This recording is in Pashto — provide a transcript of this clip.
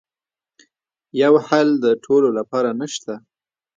یو حل د ټولو لپاره نه شته.